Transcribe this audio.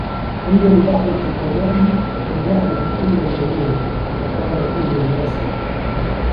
قِيلَ لِبَعْضِ الْحُكَمَاءِ مَنْ يَعْرِفُ كُلَّ الْعُلُومِ ؟ فَقَالَ كُلُّ النَّاسِ